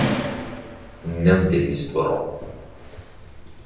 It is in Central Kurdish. نەمدەویست بڕۆم.